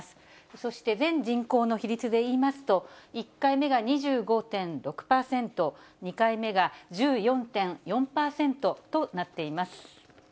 そして、全人口の比率でいいますと、１回目が２５．６％、２回目が１４．４％となっています。